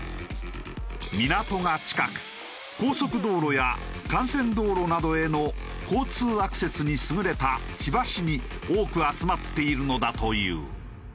港が近く高速道路や幹線道路などへの交通アクセスに優れた千葉市に多く集まっているのだという。